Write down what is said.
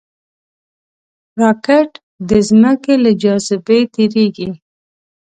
راکټ د ځمکې له جاذبې تېریږي